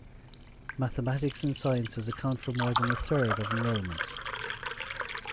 Mathematics and Sciences account for more than a third of enrolments.